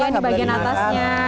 iya dibagian atas